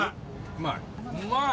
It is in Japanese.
うまい！